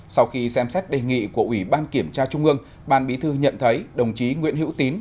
sau khi xem xét đề nghị của ủy ban kiểm tra trung ương ban bí thư nhận thấy đồng chí nguyễn hữu tín